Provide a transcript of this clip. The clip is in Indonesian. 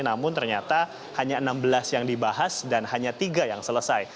namun ternyata hanya enam belas yang dibahas dan hanya tiga yang selesai